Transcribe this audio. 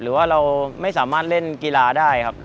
หรือว่าเราไม่สามารถเล่นกีฬาได้ครับ